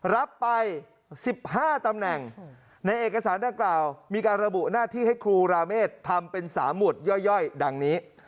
รับไป๑๕ตำแหน่งในเอกสารดังกล่าวมีการระบุหน้าที่ให้ครูราเมฆทำเป็น๓หมวดย่อยดังนี้